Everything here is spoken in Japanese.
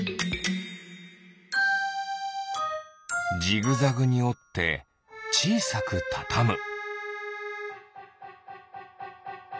ジグザグにおってちいさくたたむ。